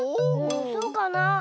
そうかな？